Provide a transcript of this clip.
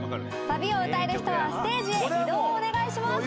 サビを歌える人はステージへ移動をお願いします。